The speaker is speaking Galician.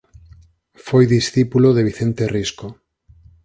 Foi discípulo de Vicente Risco.